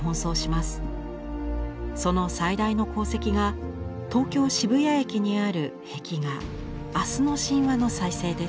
その最大の功績が東京渋谷駅にある壁画「明日の神話」の再生です。